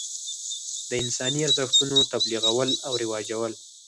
د انساني ارزښتونو تبلیغول او رواجول.